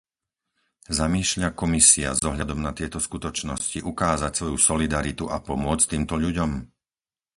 Zamýšľa Komisia s ohľadom na tieto skutočnosti ukázať svoju solidaritu a pomôcť týmto ľuďom?